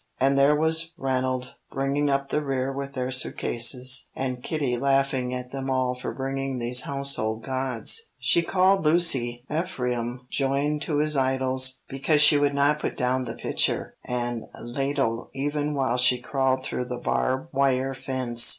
And there was Ranald bringing up the rear with their suit cases, and Kitty laughing at them all for bringing these household gods. She called Lucy "Ephraim joined to his idols," because she would not put down the pitcher and ladle even while she crawled through the barb wire fence.